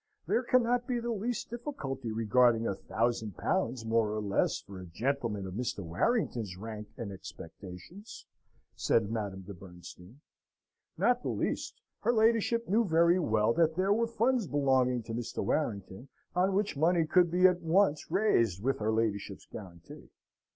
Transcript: "There cannot be the least difficulty regarding a thousand pounds more or less, for a gentleman of Mr. Warrington's rank and expectations," said Madame de Bernstein. Not the least: her ladyship knew very well that there were funds belonging to Mr. Warrington, on which money could be at once raised with her ladyship's guarantee.